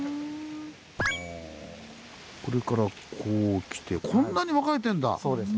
これからこう来てこんなに分かれてんだ！